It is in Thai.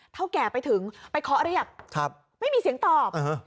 เท่าแกไปถึงไปเคาะเรียบครับไม่มีเสียงตอบอื้อฮะ